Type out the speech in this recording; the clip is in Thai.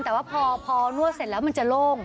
แต่ว่าพอนวดเสร็จแล้วมันจะโล่ง